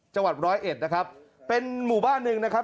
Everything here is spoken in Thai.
จังหวัดร้อยเอ็ดนะครับเป็นหมู่บ้านหนึ่งนะครับ